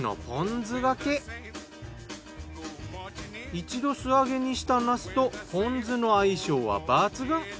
一度素揚げにしたなすとポン酢の相性は抜群！